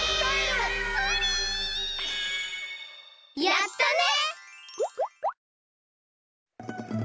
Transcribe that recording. やったね！